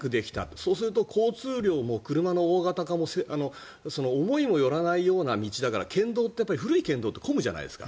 そうすると交通量も車の大型化も思いもよらないような道だから古い県道って混むじゃないですか。